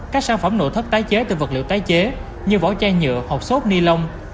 các sản phẩm nội thất tái chế từ vật liệu tái chế như vỏ chai nhựa hộp sốt ni lông